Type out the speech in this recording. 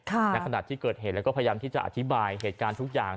ขณะที่เกิดเหตุแล้วก็พยายามที่จะอธิบายเหตุการณ์ทุกอย่าง